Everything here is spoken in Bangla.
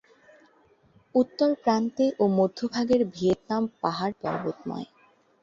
উত্তর প্রান্তে ও মধ্যভাগের ভিয়েতনাম পাহাড়-পর্বতময়।